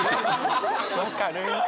分かる。